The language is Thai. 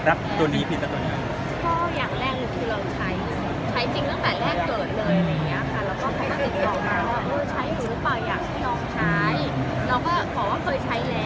เพราะว่านี้มันมีตัวไม้เข้ามานะ